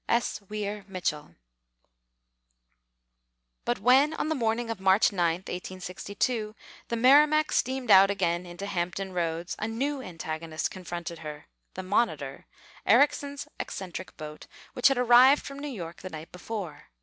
S. WEIR MITCHELL. But when, on the morning of March 9, 1862, the Merrimac steamed out again into Hampton Roads, a new antagonist confronted her the Monitor, Ericsson's eccentric boat, which had arrived from New York the night before.